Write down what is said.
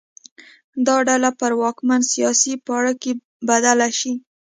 دا ډله پر واکمن سیاسي پاړکي بدله شي.